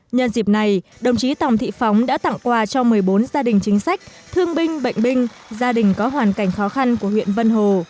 nhân dịp này đồng chí tòng thị phóng đã tặng quà cho một mươi bốn gia đình chính sách thương binh bệnh binh gia đình có hoàn cảnh khó khăn của huyện vân hồ